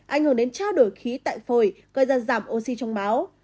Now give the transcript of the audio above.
ảnh hưởng đến trao đổi khí tại phổi gây ra giảm oxy trong máu